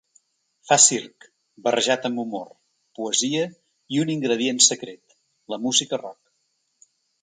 Fa circ, barrejat amb humor, poesia i un ingredient secret: la música rock.